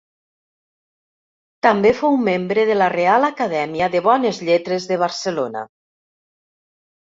També fou membre de la Reial Acadèmia de Bones Lletres de Barcelona.